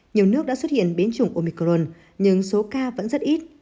nhiều nước đã xuất hiện biến chủng omicron nhưng số ca vẫn rất ít